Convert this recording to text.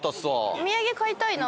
お土産買いたいな。